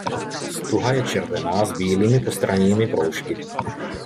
Stuha je červená s bílými postranními proužky.